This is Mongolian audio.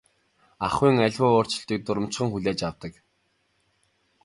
Ахуйн аливаа өөрчлөлтийг дурамжхан хүлээж авдаг.